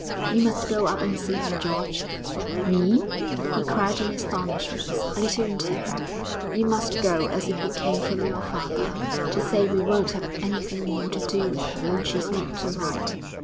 'You must go up and see her, George!' 'Me!' he cried in astonishment, a little in terror. 'You must go as if you came from your father, to say we won't have anything more to do with her and she's not to write.'